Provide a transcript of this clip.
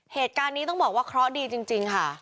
เหตุการณ์นี้ต้องบอกว่าเคราะห์ดีจริงค่ะ